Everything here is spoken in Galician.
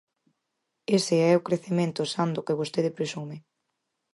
Ese é o crecemento san do que vostede presume.